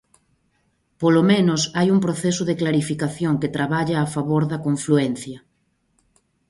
Polo menos, hai un proceso de clarificación que traballa a favor da confluencia.